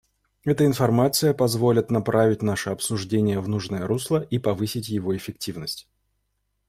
Эта информация позволит направить наше обсуждение в нужное русло и повысить его эффективность.